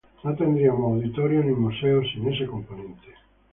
No tendríamos auditorios ni museos sin ese componente.